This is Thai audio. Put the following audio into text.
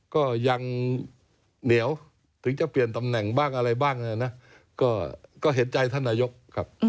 ก็ยังเหนียวถึงจะเปลี่ยนตำแหน่งบ้างอะไรบ้างนะก็เห็นใจท่านนายกครับ